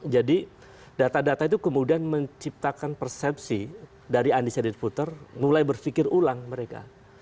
jadi data data itu kemudian menciptakan persepsi dari andi sedir puter mulai berfikir ulang mereka